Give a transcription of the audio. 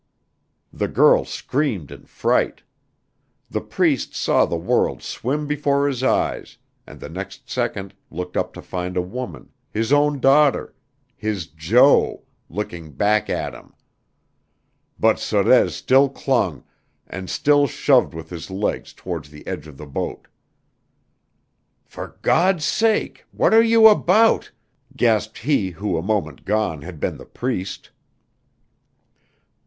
The girl screamed in fright. The Priest saw the world swim before his eyes, and the next second looked up to find a woman his own daughter his Jo looking back at him! But Sorez still clung and still shoved with his legs towards the edge of the boat. "For God's sake what are you about?" gasped he who a moment gone had been the Priest.